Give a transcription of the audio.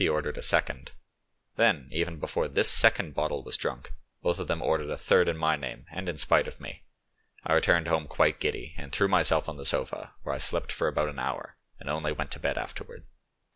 ordered a second; then, even before this second battle was drunk, both of them ordered a third in my name and in spite of me. I returned home quite giddy, and threw myself on the sofa, where I slept for about an hour, and only went to bed afterwards.